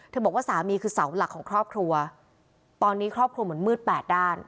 บอกว่าสามีคือเสาหลักของครอบครัวตอนนี้ครอบครัวเหมือนมืดแปดด้าน